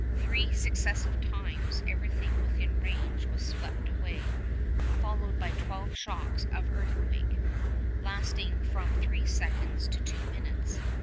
Three successive times everything within range was swept away, followed by twelve shocks of earthquake, lasting from three seconds to two minutes.